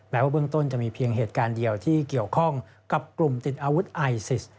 ว่าเบื้องต้นจะมีเพียงเหตุการณ์เดียวที่เกี่ยวข้องกับกลุ่มติดอาวุธไอซิส